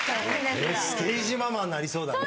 ステージママになりそうだね。